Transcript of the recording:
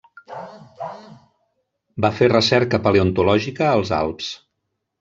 Va fer recerca paleontològica als Alps.